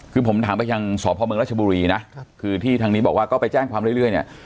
คือผมถามไปยังสพมรัชบุรีนะคือที่ทางนี้บอกว่าก็ไปแจ้งความเรื่อยเนี่ย